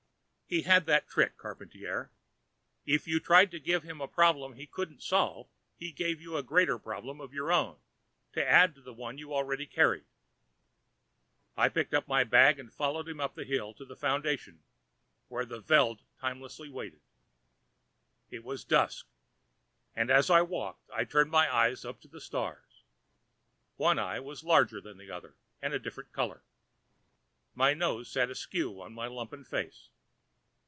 He had that trick, Charpantier. If you tried to give him a problem he couldn't solve, he gave you a greater problem of your own, to add to the one you already carried. I picked up my bag and followed him up the hill to the Foundation, where the Veld timelessly waited. It was dusk, and as I walked I turned my eyes up to the stars. One eye was larger than the other, and a different color. My nose sat askew on my lumpen face.